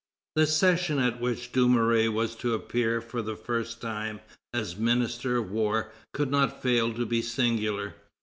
The session at which Dumouriez was to appear for the first time as Minister of War could not fail to be singular.